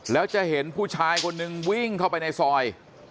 แล้วจะเห็นผู้ชายคนนึงวิ่งเข้าไปในซอย